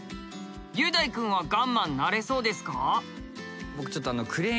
雄大くんはガンマンなれそうですか？